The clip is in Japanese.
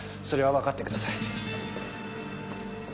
それはわかってください。